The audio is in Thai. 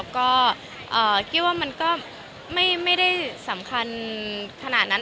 ก็คิดว่ามันก็ไม่ได้สำคัญขนาดนั้น